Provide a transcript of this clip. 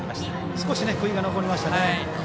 少し悔いが残りましたね。